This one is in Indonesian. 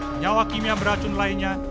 senyawa kimia beracun lainnya